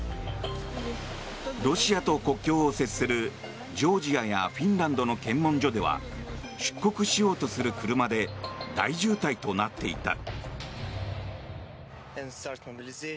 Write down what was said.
ロシアと国境を接するジョージアやフィンランドの検問所では出国しようとする車で大渋滞となっていた。